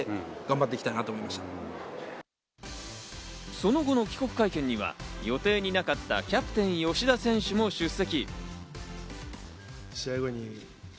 その後の帰国会見には予定になかったキャプテン・吉田選手も出席。